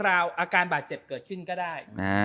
อาการบาดเจ็บเกิดขึ้นก็ได้